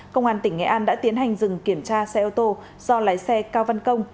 công an tỉnh nghệ an đã tiến hành dừng kiểm tra xe ô tô do lái xe cao văn công